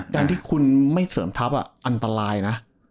การที่คุณไม่เสริมทัพอันตรายนะ